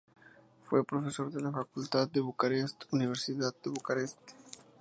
Fue profesor de la Facultad de Bucarest, Universidad de Bucarest.